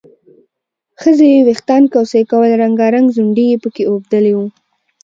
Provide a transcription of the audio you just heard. ښځو یې وېښتان کوڅۍ کول، رنګارنګ ځونډي یې پکې اوبدلي وو